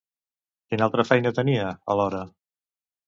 Quina altra feina tenia, alhora?